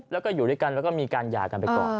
แล้วก็อยู่ด้วยกันแล้วก็มีการหย่ากันไปก่อน